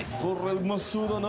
うまそうだな。